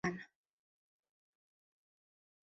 ya Ligi Kuu ya Uingereza na timu ya taifa ya Ghana.